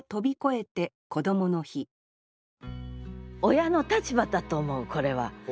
親の立場だと思うこれは。